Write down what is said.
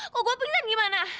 kok gua pengen gimana